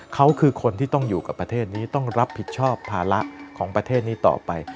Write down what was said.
เขาคือคนที่ต้องอยู่กับประเทศนี้ต้องรับผิดชอบภาระของประเทศนี้ต่อไป